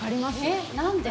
えっ何で？